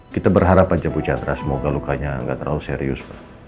kita berharap aja bu chandra semoga lukanya nggak terlalu serius